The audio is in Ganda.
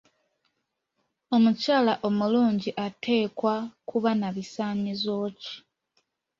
Omukyala omulungi ateekwa kuba na bisaanyizo ki?